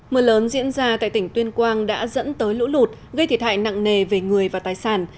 mưa lớn diễn ra tại tỉnh tuyên quang đã dẫn tới lũ lụt gây thiệt hại nặng nề về người và tài sản